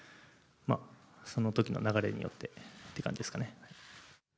そのときの流れによってって感じですかね。